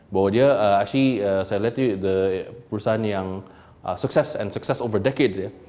bahwa dia actually saya lihat ya perusahaan yang sukses and sukses over decades ya